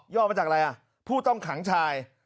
ย่อมาจากอะไรผู้ต้องขังชาย